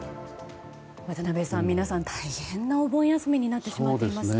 渡辺さん、皆さん大変なお盆休みになってしまっていますね。